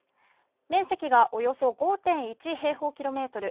面積がおよそ５．１平方キロメートル。